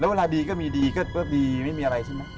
เวลาดีก็มีดีก็ดีไม่มีอะไรใช่ไหม